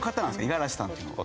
五十嵐さんっていうのは。